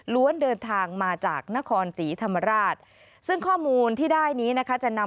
ล้วนเดินทางมาจากนครจีธรรมราช